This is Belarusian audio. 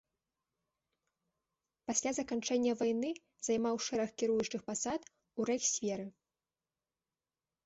Пасля заканчэння вайны займаў шэраг кіруючых пасад у рэйхсверы.